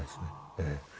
ええ。